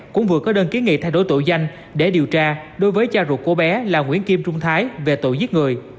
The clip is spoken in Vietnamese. cũng vừa có đơn kiến nghị thay đổi tổ danh để điều tra đối với cha ruột của bé là nguyễn kim trung thái về tổ giết người